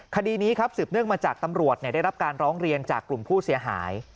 คดีนี้ครับสืบเนื่องมาจากตำรวจได้รับการร้องเรียนจากกลุ่มผู้เสียหาย